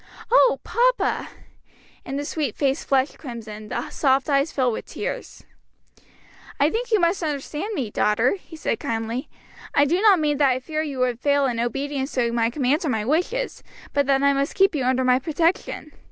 "Oh, papa!" And the sweet face flushed crimson, the soft eyes filled with tears. "I think you misunderstand me, daughter," he said kindly; "I do not mean that I fear you would fail in obedience to my commands or my wishes; but that I must keep you under my protection.